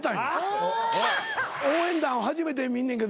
応援団を初めて見んねんけどもやな。